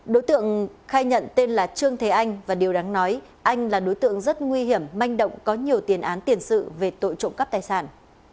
đối tượng khai nhận tên là trương thế anh và điều đáng nói anh là đối tượng rất nguy hiểm manh động có nhiều tiền án tiền sự về tội trộm cắp tài sản